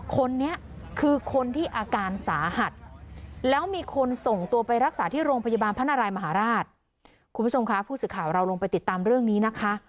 คนนี้คือคนที่อาการสาหัสแล้วมีคนส่งตัวไปรักษาที่โรงพยาบาลพระนารายมหาราชคุณผู้ชมค่ะผู้สื่อข่าวเราลงไปติดตามเรื่องนี้นะคะ